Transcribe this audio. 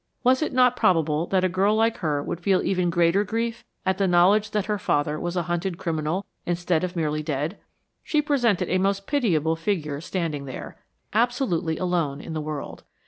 Was it not probable that a girl like her would feel even greater grief at the knowledge that her father was a hunted criminal instead of merely dead? She presented a most pitiable figure standing there, absolutely alone in the world.